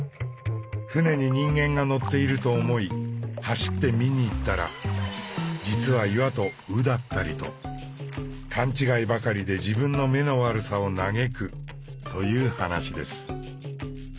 舟に人間が乗っていると思い走って見にいったら実は岩と鵜だったりと勘違いばかりで自分の目の悪さを嘆くという話です。